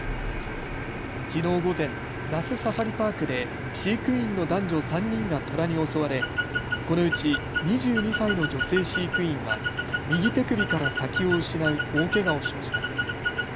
きのう午前、那須サファリパークで飼育員の男女３人がトラに襲われこのうち２２歳の女性飼育員は右手首から先を失う大けがをしました。